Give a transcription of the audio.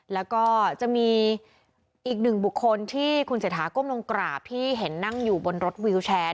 แล้วก็จะมีอีกหนึ่งบุคคลที่คุณเศรษฐาก้มลงกราบที่เห็นนั่งอยู่บนรถวิวแชร์